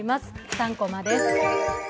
３コマです。